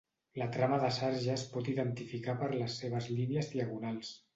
La trama de sarja es pot identificar per les seves línies diagonals.